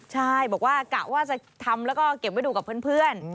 ใช่บอกว่ากะว่าจะทำแล้วก็เก็บไว้ดูกับเพื่อน